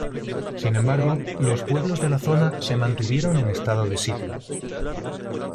Sin embargo, los pueblos de la zona se mantuvieron en estado de sitio.